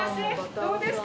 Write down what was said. どうですか？